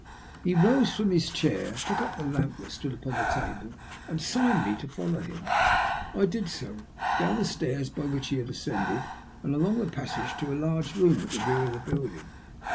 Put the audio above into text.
He rose from his chair, took up the lamp that stood upon the table, and signed to me to follow him. I did so, down the stairs by which he had ascended, and along the passage to a large room at the rear of the building.